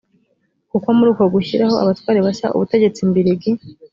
kuko muri uko gushyiraho abatware bashya ubutegetsi mbirigi